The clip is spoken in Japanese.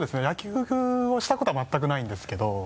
野球をしたことは全くないんですけど。